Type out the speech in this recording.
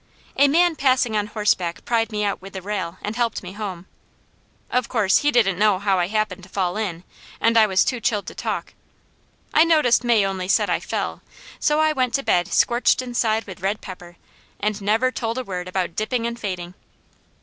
A man passing on horseback pried me out with a rail and helped me home. Of course he didn't know how I happened to fall in, and I was too chilled to talk. I noticed May only said I fell, so I went to bed scorched inside with red pepper tea, and never told a word about dipping and fading.